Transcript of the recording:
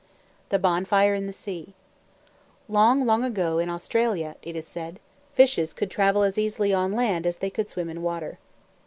THE BONFIRE IN THE SEA Long, long ago, in Australia, it is said, fishes could travel as easily on land as they could swim in water.